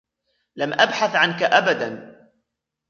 لم أبحث عنك أبدا.